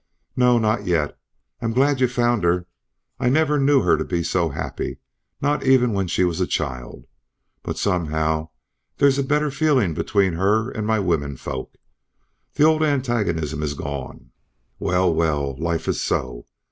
"No. Not yet. I'm glad you found her. I never knew her to be so happy, not even when she was a child. But somehow there's a better feeling between her and my womenfolk. The old antagonism is gone. Well, well, life is so.